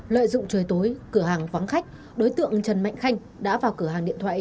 lợi dụng trời tối cửa hàng vắng khách đối tượng trần mạnh khanh đã vào cửa hàng điện thoại